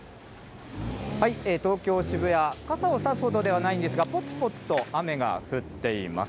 東京・渋谷、傘を差すほどではないんですが、ぽつぽつと雨が降っています。